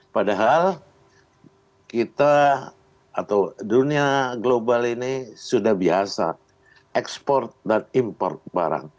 padahal kita atau dunia global ini sudah biasa ekspor dan import barang